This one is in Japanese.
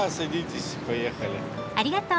ありがとう。